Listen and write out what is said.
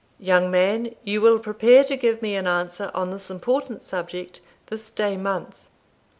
Young man, you will prepare to give me an answer on this important subject this day month."